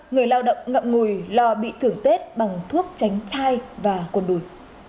người lao động ngậm ngùi lo bị thưởng tết bằng thuốc tránh thai và quần đùi